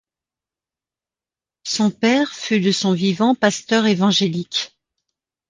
Son père fut de son vivant pasteur évangélique.